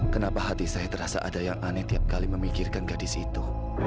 kenapa hati saya terasa ada yang aneh tiap kali memikirkan gadis itu